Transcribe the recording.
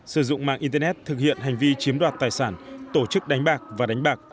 sử dụng mạng internet thực hiện hành vi chiếm đoạt tài sản tổ chức đánh bạc và đánh bạc